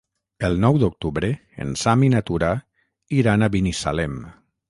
El nou d'octubre en Sam i na Tura iran a Binissalem.